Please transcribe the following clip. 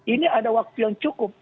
ini ada waktu yang cukup